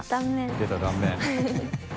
出た断面。